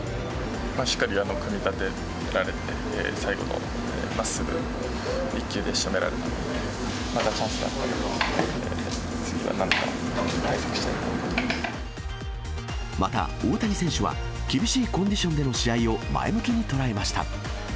しっかり組み立てられてて、最後のまっすぐ、１球でしとめられたので、またチャンスがあったら、次はなんとかまた、大谷選手は厳しいコンディションでの試合を前向きに捉えました。